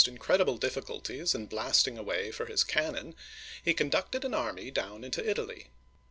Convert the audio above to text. (1515 1547) 229 incredible difficulties and blasting a way for his cannon, he conducted' an army down into Italy.